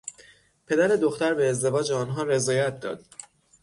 پد دختر به ازدواج آنها رضایت داد.